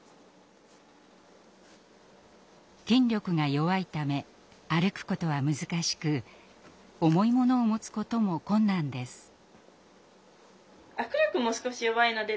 筋力が弱いため歩くことは難しく重いものを持つことも困難です。